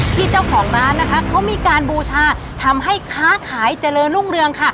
ที่เจ้าของร้านนะคะเขามีการบูชาทำให้ค้าขายเจริญรุ่งเรืองค่ะ